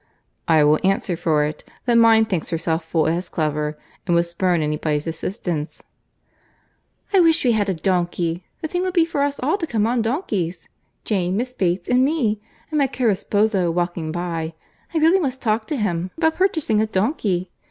"I will answer for it, that mine thinks herself full as clever, and would spurn any body's assistance." "I wish we had a donkey. The thing would be for us all to come on donkeys, Jane, Miss Bates, and me—and my caro sposo walking by. I really must talk to him about purchasing a donkey.